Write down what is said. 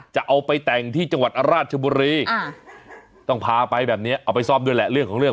จะเอาไปแต่งที่จังหวัดราชบุรีต้องพาไปแบบนี้เอาไปซ่อมด้วยแหละเรื่องของเรื่อง